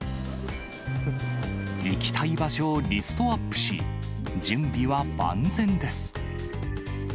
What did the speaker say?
行きたい場所をリストアップし、準備は万全です。